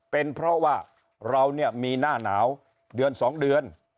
เป็นเพราะว่าเราเนี่ยมีหน้าหนาวเดือน๒เดือน